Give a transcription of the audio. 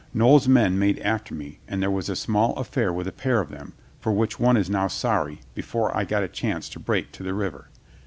Noll's men made after me and there was a small affair with a pair of them, for which one is now sorry, before I got a chance to break to the river.